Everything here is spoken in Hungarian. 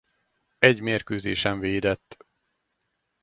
Egy mérkőzésen védett.